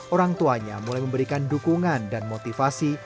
orang tuanya mulai memberikan dukungan dan motivasi